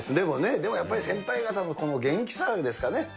でもやっぱり先輩方のこの元気さですかね。